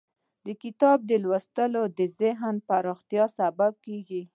د کتاب لوستل د ذهن د پراختیا سبب دی.